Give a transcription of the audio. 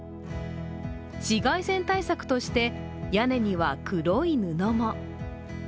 紫外線対策として、屋根には黒い布も。